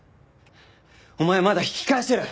お前はまだ引き返せる！